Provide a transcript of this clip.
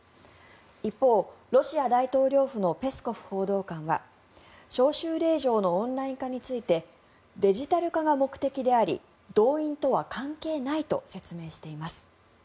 一方、ロシア大統領府のペスコフ報道官は招集令状のオンライン化についてデジタル化が目的であり動員とは関係ないと説明しています。